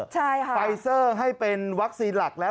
ใช่ค่ะไฟเซอร์ให้เป็นวัคซีนหลักแล้ว